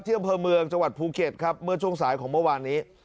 อำเภอเมืองจังหวัดภูเก็ตครับเมื่อช่วงสายของเมื่อวานนี้